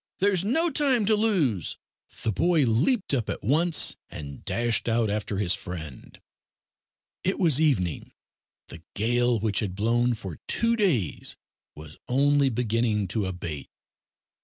there's no time to lose." The boy leaped up at once, and dashed out after his friend. It was evening. The gale, which had blown for two days was only beginning to abate.